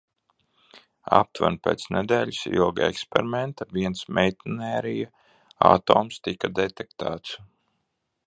Aptuveni pēc nedēļas ilga eksperimenta viens meitnerija atoms tika detektēts.